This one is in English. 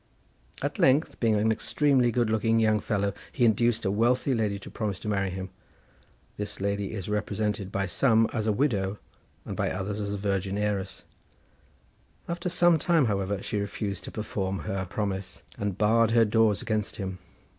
At length, being an extremely good looking young fellow, he induced a wealthy lady to promise to marry him. This lady is represented by some as a widow, and by others as a virgin heiress. After some time, however, she refused to perform her promise, and barred her doors against him.